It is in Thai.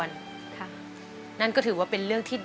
สีหน้าร้องได้หรือว่าร้องผิดครับ